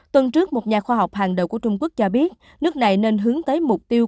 tuần trước một nhà khoa học hàng đầu của trung quốc cho biết nước này nên hướng tới mục tiêu